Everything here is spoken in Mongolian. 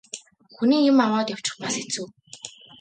Хүний юм аваад явчих бас хэцүү.